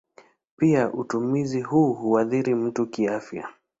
Pia utumizi huu huathiri mtu kiafya.